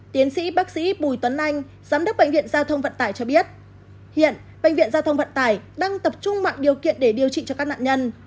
tiến sĩ bác sĩ bùi tuấn anh giám đốc bệnh viện giao thông vận tải cho biết hiện bệnh viện giao thông vận tải đang tập trung mạng điều kiện để điều trị cho các nạn nhân